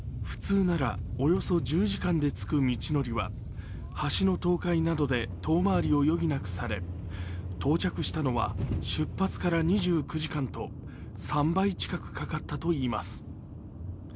普通ならおよそ１０時間で着く道のりは橋の倒壊などで遠回りを余儀なくされ、到着したのは出発してから２９時間と３倍近くかかったといいます。